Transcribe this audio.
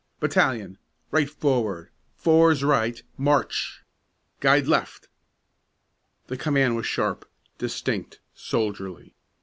"Battalion, right forward, fours right, march! Guide left!" The command was sharp, distinct, soldierly.